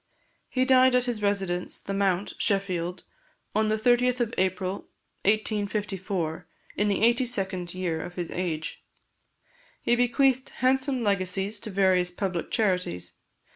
He died at his residence, The Mount, Sheffield, on the 30th of April 1854, in the eighty second year of his age. He bequeathed handsome legacies to various public charities.